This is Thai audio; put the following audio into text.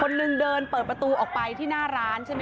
หนึ่งเดินเปิดประตูออกไปที่หน้าร้านใช่ไหม